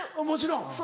もちろん。